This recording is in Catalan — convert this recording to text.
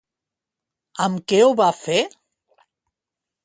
Amb què ho va fer?